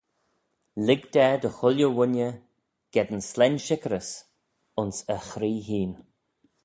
Lhig da dy chooilley ghooinney geddyn slane shickyrys ayns e chree hene.